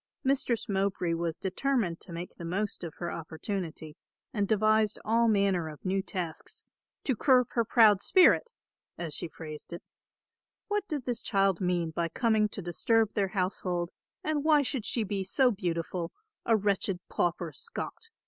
Mistress Mowbray was determined to make the most of her opportunity and devised all manner of new tasks "to curb her proud spirit," as she phrased it. What did this child mean by coming to disturb their household, and why should she be so beautiful, a wretched pauper Scot?